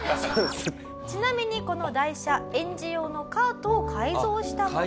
ちなみにこの台車園児用のカートを改造したもの。